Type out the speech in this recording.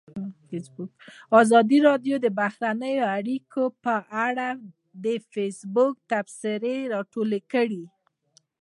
ازادي راډیو د بهرنۍ اړیکې په اړه د فیسبوک تبصرې راټولې کړي.